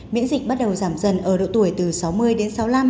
miễn dịch bắt đầu giảm dần ở độ tuổi từ sáu mươi đến sáu mươi năm